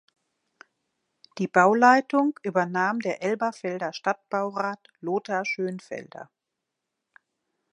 Die Bauleitung übernahm der Elberfelder Stadtbaurat Lothar Schönfelder.